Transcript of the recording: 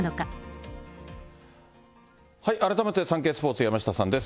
改めてサンケイスポーツ、山下さんです。